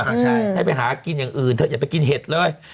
ใช่ให้ไปหากินอย่างอื่นเถอะอย่าไปกินเห็ดเลย